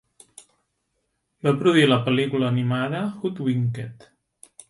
Va produir la pel·lícula animada Hoodwinked!